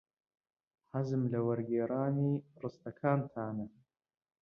حەزم لە وەرگێڕانی ڕستەکانتانە.